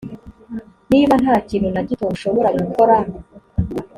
niba nta kintu na gito mushobora gukora